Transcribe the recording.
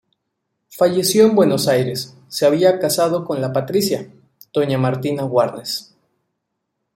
Falleció en Buenos Aires, se había casado con la "patricia" doña Martina Warnes.